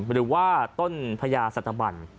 ไปดูว่าต้นพญาสัตวรรณ